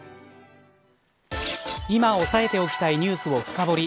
今押さえておきたいニュースを深堀り。